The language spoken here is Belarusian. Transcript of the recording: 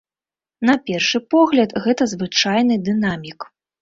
На першы погляд гэта звычайны дынамік.